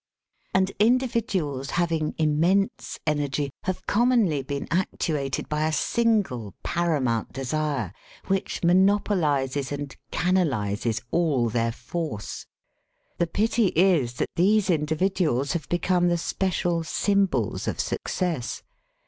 "And individuals having immense energy have 60 SELF AND SELF MANAGEMENT commoDly been actuated by a single paramount desire, which oionopolises and canalises all their force. The pitj is that these individuals have become the special symbols of success.